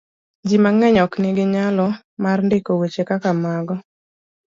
Ji mang'eny ok nigi nyalo mar ndiko weche kaka mago.